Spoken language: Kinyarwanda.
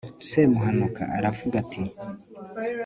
semunahanuka aravuga, ati